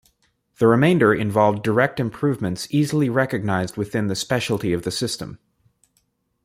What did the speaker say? The remainder involved direct improvements easily recognized within the specialty of the system.